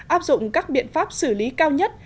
áp dụng các biện pháp xử lý cao nhất